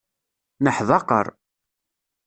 Neḥdaqer.